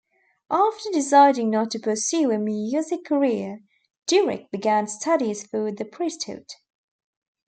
After deciding not to pursue a music career, Durick began studies for the priesthood.